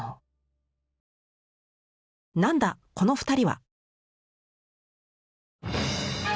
なんだこの２人は！